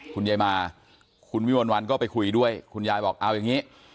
คุณยายมาคุณวิมวลวันก็ไปคุยด้วยคุณยายบอกเอาอย่างนี้